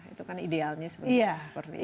itu kan idealnya sebenarnya